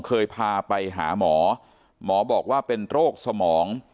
เคยพาไปหาหมอหมอบอกว่าเป็นโรคสมอง